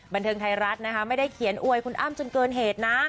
บันเทิงไทยรัฐนะคะไม่ได้เขียนอวยคุณอ้ำจนเกินเหตุนะ